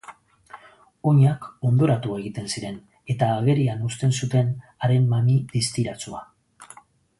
Oinak hondoratu egiten ziren, eta agerian uzten zuten haren mami distiratsua.